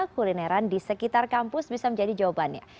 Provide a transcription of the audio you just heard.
kulineran di sekitar kampus bisa menjadi jawabannya